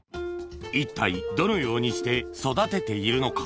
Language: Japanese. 一体どのようにして育てているのか？